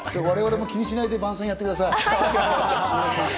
我々を気にしないで番宣やってください。